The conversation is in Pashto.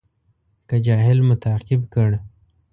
که جاهل مو تعقیب کړ.